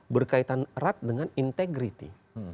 berkaitan erat dengan integrity